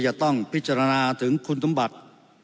จะต้องพิจารณาถึงคุณสมบัติ